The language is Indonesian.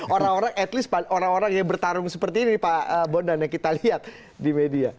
orang orang at least orang orang yang bertarung seperti ini pak bondan yang kita lihat di media